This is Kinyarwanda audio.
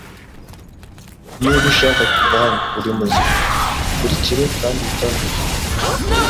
Niba ushaka kuva hano uri muzima, unkurikire kandi utavuga